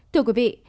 thưa quý vị